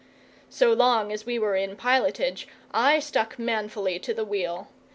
So long as we were in pilotage I stuck manfully to the wheel.